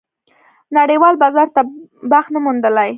نړېوال بازار ته بخت نه موندلی.